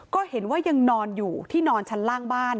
ก็เห็นว่ายังนอนอยู่ที่นอนชั้นล่างบ้าน